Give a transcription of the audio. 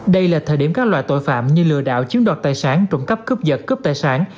đây là thời điểm các loài tội phạm như lừa đạo chiếm đoạt tài sản trụng cấp cướp vật cướp tài sản